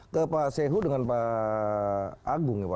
ke pak sehu dengan pak agung